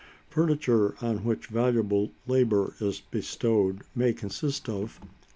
Furniture on which valuable labour is bestowed may consist of 1.